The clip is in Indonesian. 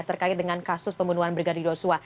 terkait dengan kasus pembunuhan brigadir yosua